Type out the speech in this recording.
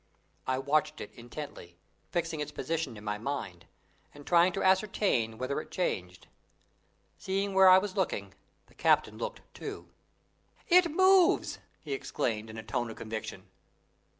I watched it intently, fixing its position in my mind, and trying to ascertain whether it changed. Seeing where I was looking, the captain looked too. "It moves!" he exclaimed, in a tone of conviction.